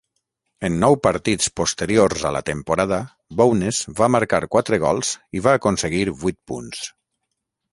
En nou partits posteriors a la temporada, Bowness va marcar quatre gols i va aconseguir vuit punts.